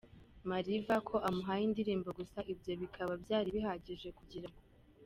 Mariva ko amuhaye indirimbo gusa ibyo bikaba byari bihagije kugirango.